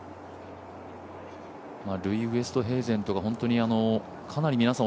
ルイ・ウェストヘーゼンとかかなり皆さん